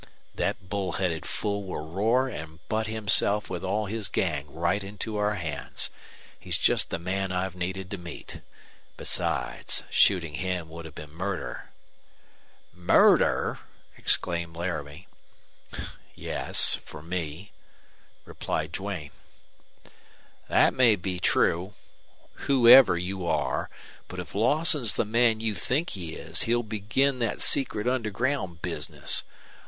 "That bull headed fool will roar and butt himself with all his gang right into our hands. He's just the man I've needed to meet. Besides, shooting him would have been murder." "Murder!" exclaimed Laramie. "Yes, for me," replied Duane. "That may be true whoever you are but if Lawson's the man you think he is he'll begin thet secret underground bizness.